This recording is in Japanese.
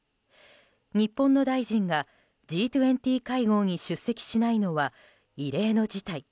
日本の大臣がＧ２０会合に出席しないのは異例の事態。